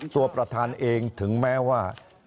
ตัวประธานเองถึงแม้ว่า